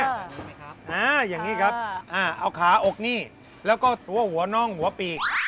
อ่าอย่างนี้ครับเอาขาอกนี่แล้วก็ตัวหัวน่องหัวปีก